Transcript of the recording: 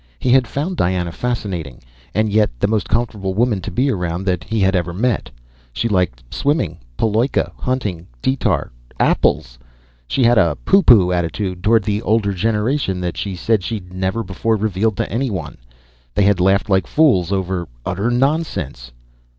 He had found Diana fascinating, and yet the most comfortable woman to be around that he had ever met. She liked swimming, paloika hunting, ditar apples She had a "poo poo" attitude toward the older generation that she said she'd never before revealed to anyone. They had laughed like fools over utter nonsense.